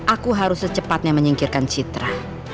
aku harus secepatnya menyingkirkan citra